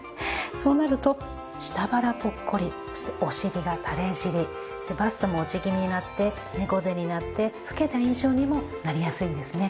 そうなると下腹ポッコリお尻がたれ尻バストも落ち気味になって猫背になって老けた印象にもなりやすいんですね。